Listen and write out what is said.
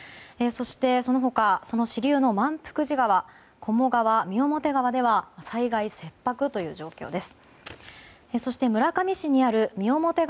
そして、その他支流の万福寺川五百川、三面川では災害切迫という状況です。